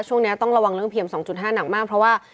ช่วงนี้ต้องระวังเรื่องเพียง๒๕หนักมากเพราะว่า